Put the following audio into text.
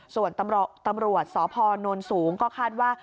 ส่วนตำรวจสพนสูงก็คาดว่า